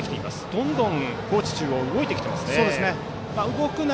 どんどん高知中央動いてきていますね。